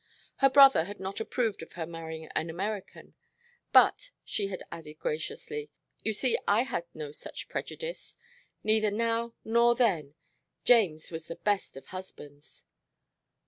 Her brother had not approved of her marrying an American. "But," she had added graciously, "you see I had no such prejudice. Neither now nor then. James was the best of husbands."